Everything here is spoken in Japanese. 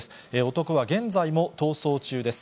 男は現在も逃走中です。